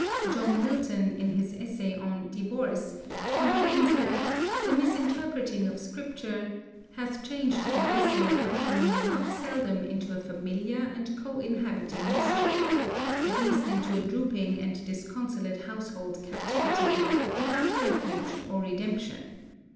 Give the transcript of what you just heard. John Milton, in his essay on "Divorce," complains that "the misinterpreting of Scripture... hath changed the blessing of matrimony not seldom into a familiar and co inhabiting mischiefe; at least into a drooping and disconsolate household captivitie, without refuge or redemption" (p.